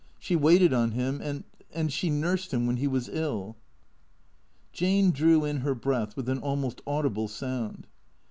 She waited on him and — she nursed him when he was ill." Jane drew in her breath with an almost audible sound.